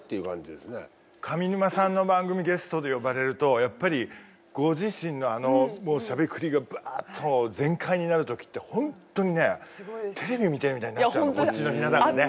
上沼さんの番組ゲストで呼ばれるとやっぱりご自身のあのしゃべくりがバッと全開になる時って本当にねテレビ見てるみたいになっちゃうこっちのひな壇がね。